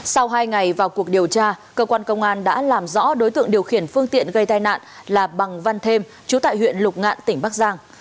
sau hai ngày vào cuộc điều tra cơ quan công an đã làm rõ đối tượng điều khiển phương tiện gây tai nạn là bằng văn thêm chú tại huyện lục ngạn tỉnh bắc giang